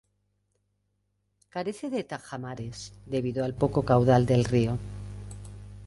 Carece de tajamares debido al poco caudal del río.